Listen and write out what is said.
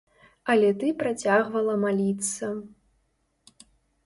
Але ты працягвала маліцца.